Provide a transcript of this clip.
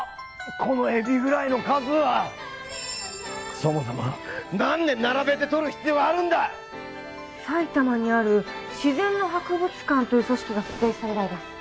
このエビフライの数はそもそもなんで並べて撮る必要あるんだ埼玉にある自然の博物館という組織が撮影したみたいです